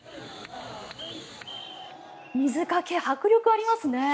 水かけ、迫力ありますね。